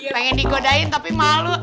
pengen digodain tapi malu